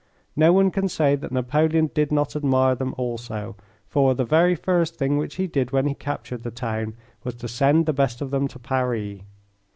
No one can say that Napoleon did not admire them also, for the very first thing which he did when he captured the town was to send the best of them to Paris.